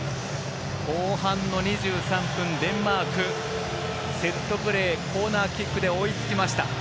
後半の２３分、デンマークセットプレー、コーナーキックで追いつきました。